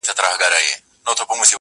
د څملاستو بلنه راکړه